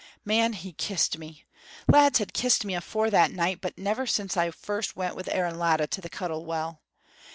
"Man, he kissed me. Lads had kissed me afore that night, but never since first I went wi' Aaron Latta to the Cuttle Well.